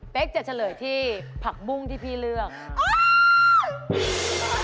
จะเฉลยที่ผักบุ้งที่พี่เลือก